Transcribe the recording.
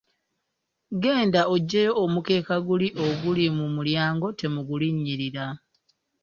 Genda oggyewo omukeeka guli oguli mu mulyango temugulinnyirira.